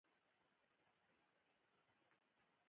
سنځاوۍ، پښين، چمن، مستونگ، عنايت کارېز